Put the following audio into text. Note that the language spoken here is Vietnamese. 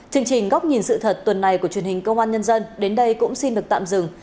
chương trình góc nhìn sự thật tuần này của truyền hình công an nhân dân đến đây cũng xin được tạm dừng